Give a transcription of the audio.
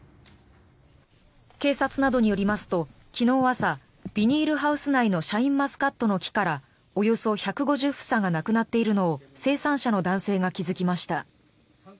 警察などによりますと昨日朝ビニールハウス内のシャインマスカットの木からおよそ１５０房がなくなっているのを生産者の男性が気付きました。